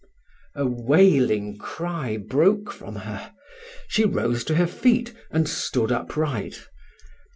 A wailing cry broke from her; she rose to her feet, and stood upright.